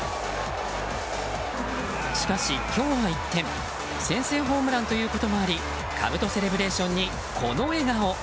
しかし今日は一転先制ホームランということもありかぶとセレブレーションにこの笑顔。